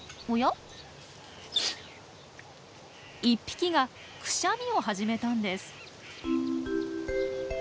１匹がクシャミを始めたんです。